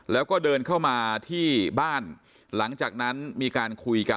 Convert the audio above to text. แล้วก็เดินเข้ามาที่บ้านหลังจากนั้นมีการคุยกัน